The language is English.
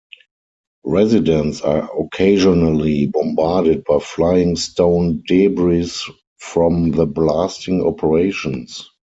Residents are occasionally bombarded by flying stone debris from the blasting operations.